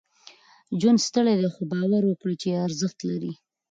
ژوند ستړی دی، خو؛ باور وکړئ چې ارزښت لري.